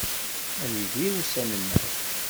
Ad nidir ussan-nneɣ.